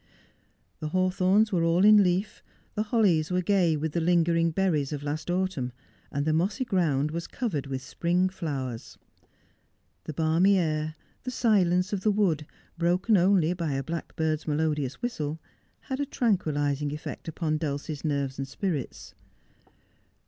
The hawthorns were all in leaf, the hollies were gay with the lingering berries of last autumn, and the mossy ground was covered with spring flowers. The balmy air, the silence of the wood, broken only by a black bird's melodious whistle, had a tranquilizing effect upon Dulcie's nerves and spirits.